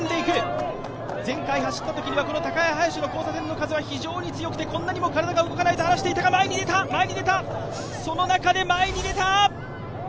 前回走ったときには高林の交差点は非常に風が吹いていてこんなにも体が動かないと話していたが、前に出た、前に出た。